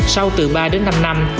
sau từ ba đến năm năm